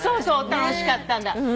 楽しかったんだ。